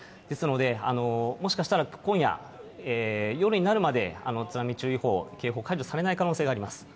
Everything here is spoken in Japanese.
ですので、もしかしたら今夜、夜になるまで津波注意報、警報解除されない可能性あります。